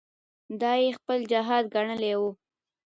دا یې خپل جهاد ګڼلی وو.